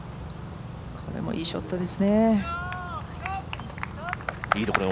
これもいいショットですね。